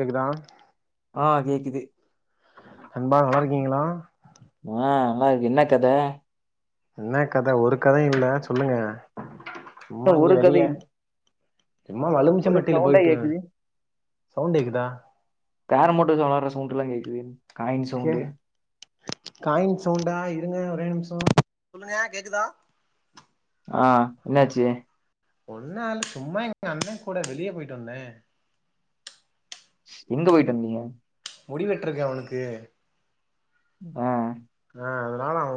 கேக்குதா ஆ கேக்குது நண்பா நல்லாருக்கீங்களா ஆ நல்லாருக்க என்ன கத என்ன கத ஒரு கத இல்ல சொல்லுங்க சும்மா என்ன இங்க ஒரு கதை வெளிய இல்ல. சும்மா வலுமிச்ச ஒரு மட்டில சவுண்டா போயிட்டு கேக்குது சவுண்ட் கேக்குதா கேரம் போர்ட்ல வெளாட்ற சவுண்ட்ல்லா கேக்குது காயின் கே சவுண்டு காயின் சவுண்டா இருங்க ஒரே நிமிஷ சொல்லுங்க கேக்குதா ஆ ஆ என்னாச்சு ஒன்னு ஆல சும்மா எங்க அண்ண கூட வெளிய போய்ட்டு வந்த எங்க போய்ட்டு வந்தீங்க முடி வெட்டருக் அவருக்கு ப ஆ அதனால அவ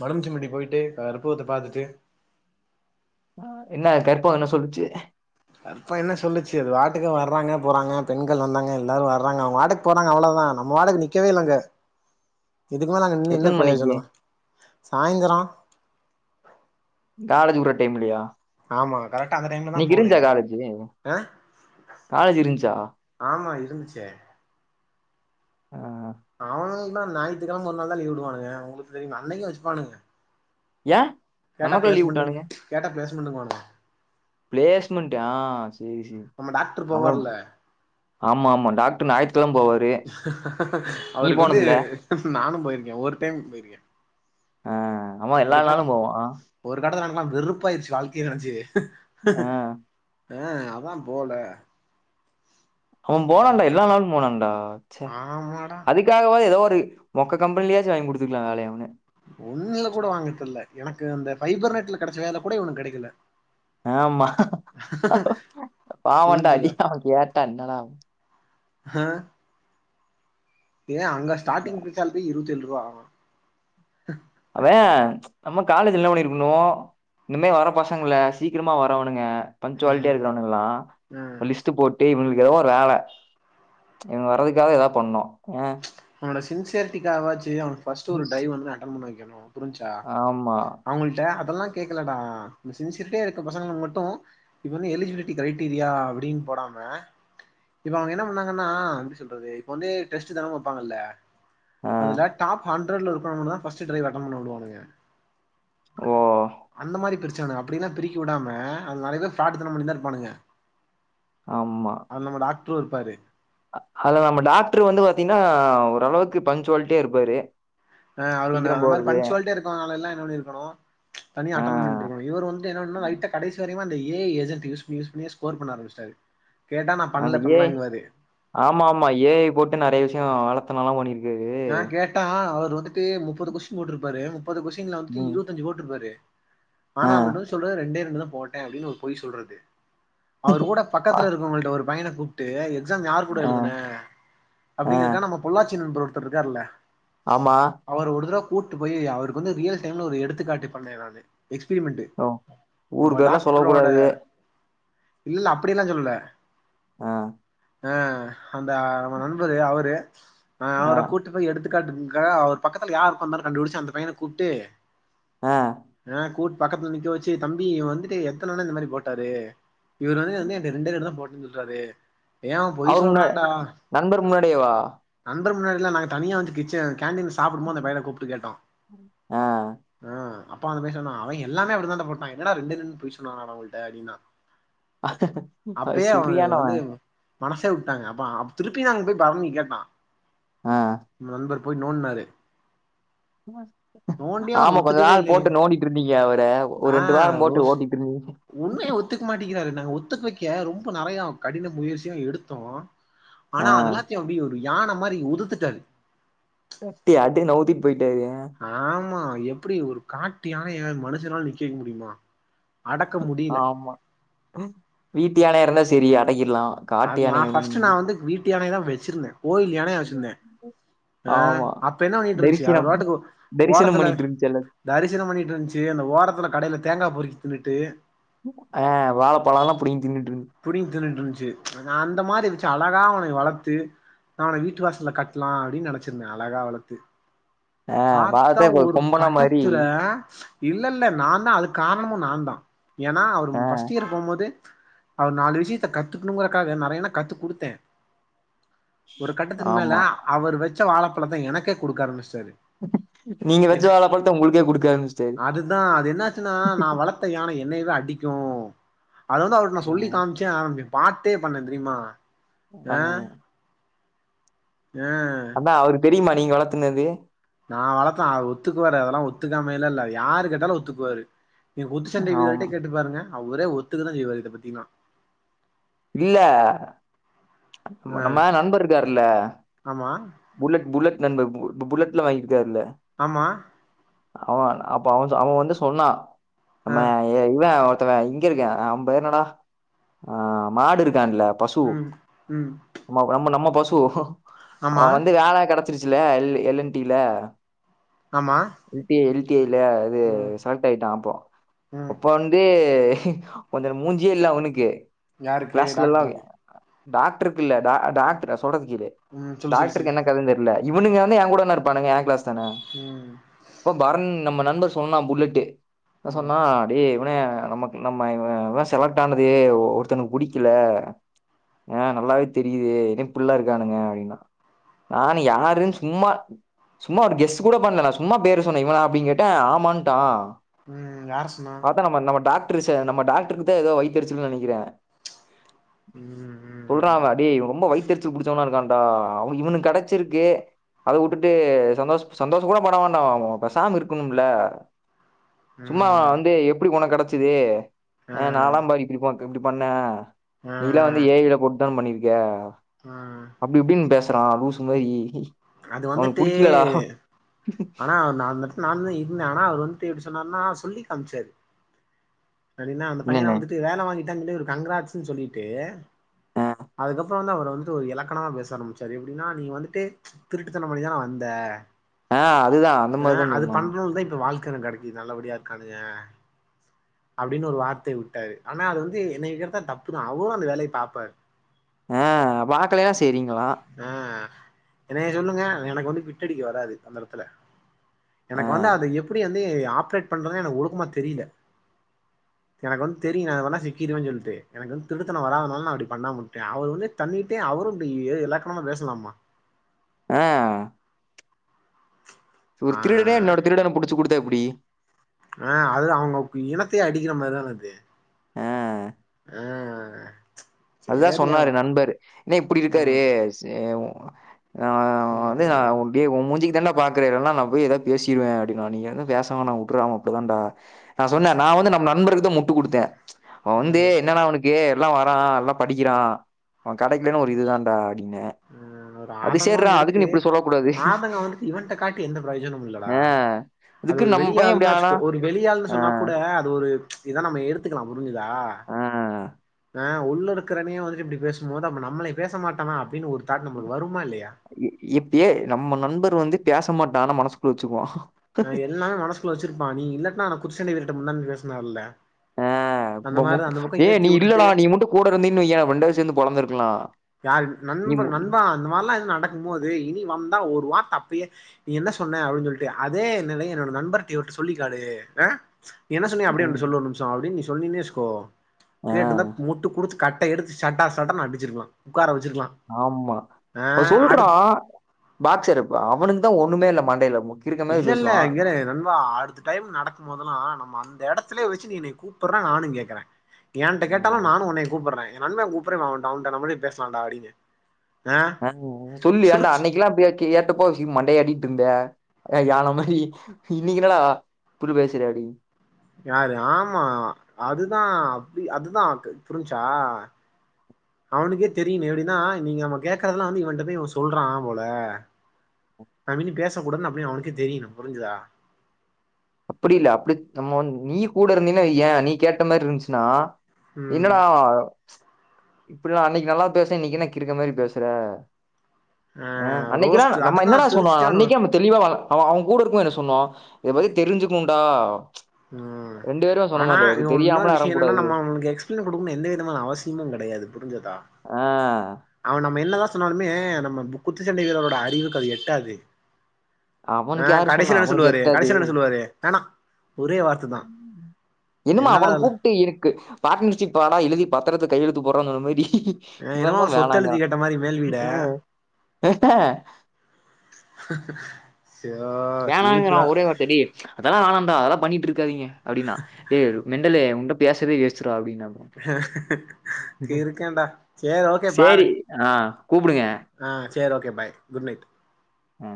மறமச்சிபட்டி போய்ட்டு அற்புதத்தை பாத்துட்டு என்ன கற்ப்பக என்ன சொல்லுச்சு கற்ப்பக என்ன சொல்லுச்சு அது வாட்டுக்கு வர்றாங்க போறாங்க பெண்கள் வந்தாங்க எல்லாரு வர்றாங்க அவங்க வாட்டுக் போறாங்க அவ்ளோதா நம்ம வாடக்கு நிக்கவே இல்ல அங்க [inaudible] இதுக்குமேல அங்க நின்னு என்ன எத்தன மணிக்கு பிரயோஜன சாய்ந்தர காலேஜ் உடுற டைம்லயா ஆமா கரெக்டா அந்த டைம் இன்னைக்கு இருந்துச்சா காலேஜ்ஜூ காலேஜ் இருந்ச்சா ஆமா இருந்ச்சே ஆ அவனுங்க என்னா ஞாயித்துக்கிழம ஒரு நாள்தா லீவுடுவானுங்க உங்களுக்கு தெரியுமே அன்னைக்கு வச்சுப்பானுங்க ஏ கேட்டா நமக்குள்ள பேச லீவ் மாட்டாங்க விட்டானுங்க கேட்டா பேச மாட்டேங்கன் வாணுங்க பிளேஸ்மெண்ட்டா ஆ செரி செரி நம்ம டாக்டர் போவார்ல ஆமா ஆமா டாக்டர் ஞாயித்துகிழம போவார் அவருக்கு வந்து நானு போயிருக்கே ஒரு டைம் போயிருக்கே ஆ ஆமா எல்லா ஒரு காட் நாளு போவா ஒரு கட்டத்துல எனக்குல்லா வெறுப்பாயிடுச்சு வாழ்க்கைய நெனச்சு ஆ ஆ அதா போல அவன் போனான்டா ம் எல்லா நாளு போனான்டா ச்ச ஆமாடா அதுக்காகவாது ஏதோ ஒரு மொக்க கம்பெனிலயாச்சு வாங்கி குடுத்துக்கலா வேலைய அவனுங்க ஒன்னுல கூட வாங்கி தர்ல எனக்கு அந்த பைபர் நெட்ல கிடைச்ச வேலை கூட இவனுக்கு கெடைக்கல ஆமா பாவன்டா அடி புரிஞ்சுதா அவன் கேட்டான்னா ஹ ஏ அங்க ஸ்டார்டிங் பிசாம்ப்பு இருவத் ஏழ்ருவா அவன் நம்ம காலேஜ் என்ன பண்ணிருக்கணு இனிமே வர பசங்கள சீக்கிரமா வரவனுங்க பஞ்சுவாலிட்டியா ம் இருக்கிறவனுங்களா ம் சொல்லி த்து போட்டு இவனுங்களுக்கு எதோ ஒரு வேல இவ்ங்க வர்றதுக்காக எதாவ் பண்ணு ஏ அவனோட சின்சியரிட்டிகாகவாச்சு அவன ஃபஸ்ட்டு ஒரு மிஸ் ட்ரைவ் வந்து அட்டன் பண்ண வெக்கணு புரிஞ்சா ஆமா. அவ்ங்கள்ட்ட அதெல்லா கேக்கலடா இந்த சின்சியாரிட்டியா இருக்க பசங்களுக்கு மட்டு இப்ப வந்து எலிஜிபிலிட்டி க்ரைட்டீரியா அப்டின் போடாம இப்ப அவ்ங்க என்ன பண்ணாங்கனா எப்டி சொல்றது இப்ப வந்து டெஸ்ட்டு தான வப்பாங்கல்ல ஆ அதுல டாப் ஹண்ட் ண்ரட்ல இருக்கவ்ங்க தா ஃபஸ்ட்டு டிரைவ் அட்டன் பண்ண விடுவானுங்க ஓ அந்த மாரி பிரிச்சானுங்க அப் அப்டிலா பிரிக்க விடாம அதுனாலேதா ஃப்ராடுதன பண்ணிட்தா இருப்பானுங்க ஆம்மா அ நம்ம டாக்ட்ரு இருப்பாரு அதுல நம்ம டாக்ட்ரு வந்து பாத்தீங்னா ஓரளவுக்கு பஞ்சுவால்டியா இருப்பாரு ஆ அவ்ளுந்தா சீக்கிரம் அந்த மாரி போறது. பன்சுவாலிடியா இருக்கு ஆளலா என்ன பண்ணிருக்கணு தனியா ஆ அட்டன் பண்ணிட்ருக்கணு இவரு வந்து என்ன பண்ணுனா லைட்டா கடைசிவரையுமே அந்த எ ஐ ஏஜென்ட் யூஸ்பண்ணி யூஸ்பண்ணியே ஸ்கோர் பண்ண ஆரம்மிச்சுடாரு [inaudible] கேட்டா நா பண்ல பண்லங்குவாரு ஆமாம்மா ஈ ஐ போட்டு நெறைய விஷ்ய வேலத்தனலா பண்ணிருக்காரு ட்டா அவரு வந்துட்டு முப்பது கொஷ்டின் போட்ருப்பாரு முப்பது கொஷ்டின்ல வந்துட்டு ம். இருவத்தஞ்சு போட்ருப்பாரு ஆனா ஆ. நம்மள்ட்ட வந்து சொல்றது ரெண்டே ரெண்டு தா போட்டே அப்டின்னு ஒரு பொய் சொல்றது அவரு கூட பக்கத்துல இருக்கவ்ங்கள்ட்ட ஒரு பையன கூப்ட்டு எக்ஸாம் யார் கூட ஆ எழுதுன ஆ அப்டிங்கிறக்கா நம்ம பொள்ளாச்சி நண்பர் ஒருத்தர் இருக்காருல ஆமா அவர ஒரு தடவ கூட்டு போய் அவருக்கு வந்து ரியல் டைம்ல ஒரு எடுத்துக்காட்டி பண்ணே நானு எக்ஸ்பிரிமெண்ட்டு ஓ ஊர் நம்ம பேர்லா சொல்ல டாக்ட்ரோட கூடாது இல்ல அப்டியெல்லா சொல்லல ஆ அ அந்த நம்ம நண்பரு அவரு அ ஆ அவர ட்டு போய் எடுத்துக்காட்டின்க்கா அவரு பக்கத்துல யாரு ஒக்காந்தான் கண்டுபுடுச்சு அந்த பையன கூப்ட்டு ஆ ஆ கூட் பக்கத்துல நிக்க வச்சு தம்பி இவ வந்துட்டு எத்தன வினா இந்த மாரி போட்டாரு இவரு வந்து வந்து என்ட்ட ரெண்டே ரெண்டுதா போட்டேன் சொல்றாரு ஏ அவ பொய் அவரு முன்னா சொல்றான்டா நண்பர் முன்னாடியேவா நண்பர் முன்னாடி இல்ல நாங்க தனியா வந்து கிச்சன் கேண்டீன்ல சாப்டுபோது அந்த பையல கூப்ட்டு கேட்டோ ஆ ஆ அப்ப அந்த பைய சொன்னா அவ எல்லாமே அப்டிதான்டா போட்டா என்னடா ரெண்டே ரெண்டுன் பொய் சொன்னானாடா உங்கள்ட்ட அப்டின்னா அது அப்பயே அவரு சரியானவ வந்து மனசே விட்டாங்க அப்பா அப் திருப்பி நாங்க போய் பரணி கேட்டா ஆ நண்பர் போய் நோண்ட்னாரு அவர் ஆமா கொஞ்ச ஒத்துக்கவே நாள் இல்லையே போட்டு நோண்டிட்ருந்தீங்க அவர ஒரு ஆ ரெண்டு வார போட்டு ரோஸ் ஓட்டிட்ருந் உண்மைய ஒத்துக்க மாட்டிக்கிறாரு நாங்க ஒத்துக்க வைக்க ரொம்ப நெறையா கடின முயற்சியு எடுத்தோ ஆ ஆனா அதெல்லாத்தையு அப்டி ஒரு யான மாரி உதுத்துட்டாரு தட்டி அடி நவ்திட்டு போயிட்டாரு ஏ ஆமா எப்டி ஒரு காட்டு யானை எதாது மனுஷனால நிக்க வெக்க முடியுமா அடக்க முடியல ஆமா வீட்டு யானையா இருந்தா செரி அடக்கிற்லா அது நா ஃபஸ்ட்டு நா வந்து வீட்டு யானையதா வெச்சிருந்தே கோயில் யானையா வெச்சிருந்தே அ ஆமா அப்ப என்ன பண்ணிட்ருந்ச்சி அவ் தரிசனம் ரோட்டுக்கு தரிசனம் ஓரத்துல பண்ணிட்டு இருந்துச்சு எல்லா தரிசனம் பண்ணிட்ருந்ச்சி அந்த ஓரத்துல கடைய்ல தேங்கா பொறிக் தின்னுட்டு ஆ வாழ பழல்லா புடிங் தின்னுட்ரு புடிங் தின்னுட்ருந்ச்சு நா அந்த மாரி வெச்சு அழகா உனனை வளத்து நா அவன வீட்டு வாஸ்ல கட்லா அப்டின் நெனச்சிருந்தே அழகா வளத்து ஆத்தா வாழத்தே ஒரு கொம்பனா மாரி கட்டத்துல இல்லல்ல நாந்தா அதுக்கு காரணமு நாந்தா ஏனா அவரும் ஆ ஃபஸ்ட் இயர் போமோதே அவர் நாலு விஷியத்த கத்துக்கணுங்கறக்காக நெறையன்ன கத்து குடுத்தே ஒரு கட்டத்துக்கு மேல ஆமா அவரு வெச்ச வாழப்பழத்த எனக்கே குடுக்க ஆரம்பிஷ்டாரு நீங்க வச்ச என்ன வாழப்பழத்த உங்களுக்கே குடுக்க ஆரம்பிச்சுட்டாரு அதுதா அது என்னாச்சுன்னா நா வள த்து யான என்னைய்வே அடிக்கு அது வந்து அவர்க்கு நா சொல்லி ம் காம்ச் ஏ ஆவுங்க பாத்தே பண்ணே தெரியுமா டன் யா அவ்ரு தெரிமா நீங்க வளத்துனது நா வளத்த அத ஒத்துக்குவாரு அதெல்லா ஒத்துக்காமெய்ல்லா இல்ல யாரு கேட்டாலு ஒத்துக்வாரு நீ குத்து செண்டை ஆம் வீவரிட்ட கேட்டு பாருங்க அவரே ஒத்துக்கன செய்வார் இத பத்தினா இல்ல அன் நம்ம ஆ நம்ம நண்பருக்காருல ஆமா புல்லட் புல்லட் நண்ப பு புல்லட்ல வாங்கிருக்காருல்ல ஆமா அவ அப்ப அவன்ஜா அவன் வந்து சொன்னா ஆ நம்ம யெ யெ இவெ ஒருத்தவ இங்க இருக்க அம் பேர்னடா ஆ மாடு இருக்கான்லப் ம் ம் மாவ் நம்ம நம்ம பசு ஆமா அவ் வந்து வேல கடச்சிருச்சுலே எல்லு எல் என் டில ஆமா இல்ட் எ எல்ட்டியேல அது ம் செலக்ட் ஆய்ட்டா அப்போ ம் அப்பா வந்து எ கொஞ்சன மூஞ்சியே இல்ல அவனுக்கு யாருக்கு க்ளாஸ்லல்லாயா டாக்டருக்கு டாக்டருக் இல்ல டா டாக்டரா சொல்றது கேளு ம் சொல்லு சொல்லு டாக்டருக்கு சொல்லு என்ன கதன் தெர்ல இவனுங்க வந்நு ஏன் கூடன இருப்பானுங்க யா க்ளாஸ் தான ம் இப்ப பரன் நம்ம நண்பர் சொன்னா புல்லட்டு அ ம் சொன்னா டே இவனே நமக்கு நம்ம இவ இவ செலக்ட் ஆனதே ஒ ஒருத்தனுக் புடிக்கில ஆ நல்லாவே தெரியுதே என இப்புல்லா இருக்கானுங்க அப்டின்னா நானு யாருன் சும்மா சும்மா ஒரு கெஸ்ஸு கூட பண்ல நா சும்மா பேரு சொன்னே இவனா அப்டின் கேட்டே ஆமான்ட்டா ம் யாரு சொன்னா பாத்தா நம்ம நம்ம டாக்ட்ரு ச நம்ம டாக்ட்ருத்த எதோ வைத்தரிச்சல் நெனக்கிறே ம் ம் புறாவா ம் டேய் இவன் ரொம்ப வயித்தெரிச்சல் புடிச்சவனா இருக்கான்டா அவ்னு இவ்னு கடச்சிருக்கே அத வுட்டுட்டு சந்தோஸ் சந்தோஸ கூட பட வேண்டா அவு பெசாம இருக்கணும்ல சும்மா ம் அந்து எப்டி உனக்கடச்சிதே ஆ எ நாலா பாரு இப்டிப்போன் பண்ண ஆ நீலா வந்து ஏ ஐ ல போட்தா என்ன பண்ணிருக்கே ஆ அப்டி இப்டின் பேசுறா லூசு மாயி இ ஷி அது வந்துட்டே ஆனா நா அந்தட் நானுந்தா இருந்தே ஆனா அவர் வந்துட்டு எப்டி சொன்னாருன்னா சொல்லி காம்ச்சார் அடின்னா அந்த பையன என்னன்னு வந்துட்டு வேலை வாங்கிட்டான் சொல்லி ஒரு கங்கராட்ஸ்னு சொல்லிட்டு அ அதுக்கப்ற வந்து அவர் வந்து ஒரு எலக்கணமா பேச ஆரம்பிச்சாரு எப்டின்னா நீ வந்துட்டு திருட்டுத்தன பண்ணிதான வந்த ஆ அதுதா அந்த அ மாரிதா அது சொன்னா பண்றுதா இப்ப வாழ் க்கன கெடைக்கி நல்லபடியா இருக்கானுங்க அப்டின்னு ஒரு வார்த்தை விட்டாரு ஆனா அது வந்து என்னைய கேட்டா தப்பு தா அவரு அந்த வேலய பாப்பாரு ஆ வாக்கலயா செய்ரிங்ளா ஆ என்னைய சொல்லுங்க எனக்கு வந்து பிட்டடிக்க வராது அந்த எடத்துல ஆ எனக்கு வந்து அதை எப்படி வந்து ஆப்ரேட் பண்றது எனக்கு ஒழுக்கமா தெரியல எனக்கு வந்து தெரியு நா இத பண்ணா சிக்கிடுவே சொல்ட்டு எனக்கு வந்து திருட்டுதன வராதனால நா அப்டி பண்ணாம உட்டே அவர் வந்து தண்ணிட்டே அவரு இப்டி எலக்கணமா பேசலாமா ஆ ஒரு ஆ திருடனே இன்னோரு திருடன புடிச்சு குடுத்தா எப்புடி ஆ அதுல அவங்க இனத்தையே அடிக்கிற மாரிதான அது ஆ ம் அதுதா சொன்னாரு நண்பரு ஏ இப்டி இருக்காரு ம் சேவூ நா வந்து ம் உன் டே உன் மூஞ்சிக்கு தாண்டா பாக்குற இல்லனா நா போய் ஏதா பேசிருவே அப்டின்னா நீங்க எது பேச வேணா உட்றா அவ அப்டிதான்டா நா சொன்ன நா வந்து நம்ம நண்பருக்குதா முட்டு குடுத்த அவ வந்து ம் என்னன்னா அவனுக்கு எல்லா வரா எல்லா படிக்கிறா அவ கடைக்கலனு ஒரு இது தான்டா அப்டின்ன ஆதங்கோன் இருக்கு சொல்ல கூடாது ஆதங்க வந்துட்டு இவன்ட்ட காட்டி எந்த பிரயோஜனமு இல்லடா ஆ அது ஒரு இதுக்குன்னு நம்ம வெளி பைய இப்டி ஆனா ஆள்னாச்சுக்கோ ஒரு வெளி ஆள்ன்னு ஆ சொன்னா கூட அது ஒரு இதா நம்ம எடுத்துக்கலா புரிஞ்சுதா ஆ அ உள் இருக்குறனே வந்து இப்டி பேசும்போது அப்ப நம்ள பேச மாட்டானா அப்பிடின் ஒரு தாட் நம்ளுக்கு வருமா இல்லயா இப்பயே நம்ம நண்பர் வந்து பேச மாட்டா ஆனா மனசுக்குள்ள வச்சுக்குவா அ எல்லா மனசுகுள்ள வச்சிருப்பா நீ இல்லட்னா நா குத்துசண்ட வீரர்ட முன்னால பேசுனாருல அ இப்ப மு ஏ நீ வுட்டுட்டு இல்லடா நீ மட்டு கூட இருந்தன் வைய ரெண்டு பேரு சேர்ந்து பொளந்துருக்கலா யார் நண்ப நண்பா அந்த மாரிலா எதுவு நடக்கு போது இனி வந்தா ஒரு வார்த்த அப்பயே நீ என்ன சொன்ன அப்படின் சொல்ட்டு அதே நெலையு என்னோட நண்பர் இவர்ட்ட சொல்லிகேளு அ நீ என்ன சொன்னியோ அப்படி வந்து ம். சொல்லு ஒரு நிமிஷோ அப்டின் நீ சொல்லிருந்தே வச்சுக்கோ ஆ கேட்ருந்தா முட்டு குடுத்து கட் எடுத்து சட சடனு அடிச்சிருக்கலா உக்கார வச்சுர்க்கலா ஆமா அவ சொல்றா பாக்சர் இப்ப அவனுக்குதா ஒன்னுமே இல்ல மண்டைல இல்ல இல்ல இங்கேரு நண்பா அடுத்த டைம் நடக்கு போதல்லா நம்ம அந்த இடத்துலயே வச்சு நீ என்ன கூப்புட்ற நானு கேக்குற ஏன்ட்ட கேட்டாலு ம். நானு உன்னைய கூப்புட்ற எ நண்பே கூப்புட்ற அவன்ட்ட அவன்ட்ட நம்மளே பேசலான்டா அப்டின்னு அ அ சொல்லு ஏண்டா அன்னைக்குலா அப்டிய கேட்டப்போ ஹீம் மண்டை ஆட்டிட் இருந்த யான மாரி இன்னிக்கி என்னாடா இப்டி பேசிரியாடி யாரு ஆமா அதுதா அப்டி அதுதா தெ புரிஞ்ச்சா அவனுக்கே தெரியுனு எப்டின்னா நீங்க நம்ம கேக்கறதுல்லா இவன்ட்ட போய் சொல்றா போல நாம இனி பேசக்கூடாதுன் அப்டின் அவனுக்கே தெரியணு புரிஞ்சுதா அப்படி இல்ல அப்படி நம்ம நீ கூட இருந்தின் வையே நீ கேட்ட மாரி இருந்ச்சுன்னா ம் என்னடா இப்பிடிலா அன்னைக்கு நல்லா பேசுேன இன்னைக்கு கிறுக்க மாரி பேசுற ஆ அ அன்னைக்குலா ரோஸ்ட் நம்ம என்னடா அதுதான் சொன்னோ சிரிச்சுட்டே அவன அன்னைக்கே தெளிவா அவ அவ கூட இருக்கு போது என்ன சொன்னோ இதை பத்தி தெரிஞ்சுக்கணுண்டா நோ ஆனா இன்னொரு விஷயோ என்னன்னா இறங்கக்கூடாது." நம்ம அவனுக்கு எக்ஸ்ப்ளைன் குடுக்கனு எந்த விதமான அவசியமு கெடையாது புரிஞ்சதா அ அவ நம்ம என்னதா சொன்னாலுமே நம்ம பு குத்துச்சண்டை வீரரோட அறிவுக்கு அது எட்டாது அ அவனுக்கு யாரு சொன்னா? கடைசில என்ன அவனுக்கு சொல்லுவாரு எட்டாது. கடைசில என்ன சொல்லுவாரு வேணா ஒரே வார்த்ததா என்னமா அவன கூப்ட்டு எனக்கு பார்ட்னர்ஷிப் ஆடா எழுதி பத்ரத்த கையெழுத்து போட்றான்னு சொன்ன மாரி ஆ, இவ என்னமோ வேணாங்கிறா சொத்தெழுதி கேட்ட மாரி மேல்வீட அ செயோ வேணாங்குறா ஒரே வாரத்த டே அதெல்லா வேணாண்டா அதெல்லா பண்ணிட்ருக்காதீங்க அப்டின்னா டே மெண்டலே உன்ட்ட பேசதே வேஸ் கிறுக்கண்டா சேரி ஓகே பாரு சரி ஆ கூப்பிடுங்க. ஆ சேரி ஓகே பாய் குட் நைட் ஆ